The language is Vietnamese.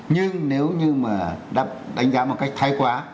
nhưng nếu như mà đánh giá một cách thay quá